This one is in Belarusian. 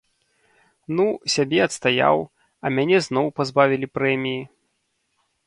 Ну, сябе адстаяў, а мяне зноў пазбавілі прэміі.